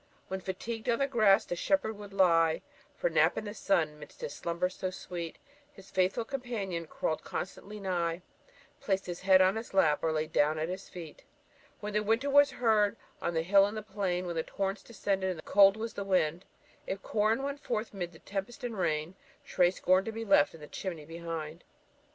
When fatigued on the grass the shepherd would lie For a nap in the sun, 'midst his slumbers so sweet His faithful companion crawl'd constantly nigh, Placed his head on his lap, or laid down at his feet. When winter was heard on the hill and the plain, When torrents descended, and cold was the wind; If Corin went forth 'mid the tempest and rain, Tray scorn'd to be left in the chimney behind.